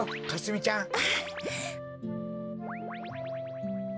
かすみちゃん